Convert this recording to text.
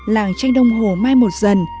làng tranh đồng hồ mai một dần